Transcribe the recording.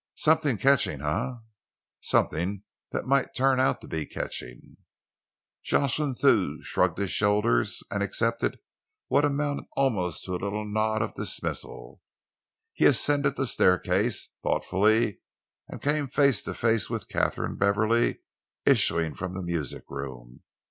"Something catching, eh?" "Something that might turn out to be catching." Jocelyn Thew shrugged his shoulders and accepted what amounted almost to a little nod of dismissal. He ascended the staircase thoughtfully and came face to face with Katharine Beverley, issuing from the music room.